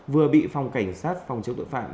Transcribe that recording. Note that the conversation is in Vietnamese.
vừa bị phòng cảnh sát phòng chống tội phạm